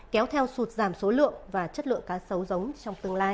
kéo theo sụt giảm số lượng và chất lượng cá sấu giống trong tương lai